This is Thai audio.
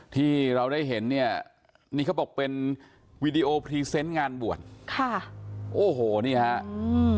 ที่เราได้เห็นเนี่ยนี่เขาบอกเป็นวีดีโอพรีเซนต์งานบวชค่ะโอ้โหนี่ฮะอืม